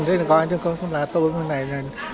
thế là coi cháu là tôi mới này